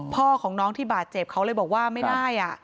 พ่อของน้องที่บาดเจ็บเขาเลยบอกว่าไม่ได้